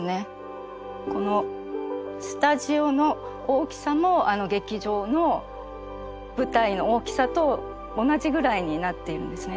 このスタジオの大きさも劇場の舞台の大きさと同じぐらいになっているんですね。